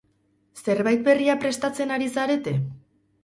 Zerbait berria prestatzen ari zarete?